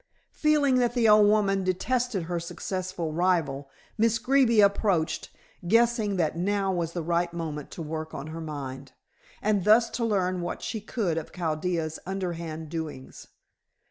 Feeling that the old woman detested her successful rival, Miss Greeby approached, guessing that now was the right moment to work on her mind, and thus to learn what she could of Chaldea's underhand doings.